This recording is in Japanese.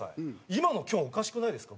「今のきょんおかしくないですか？」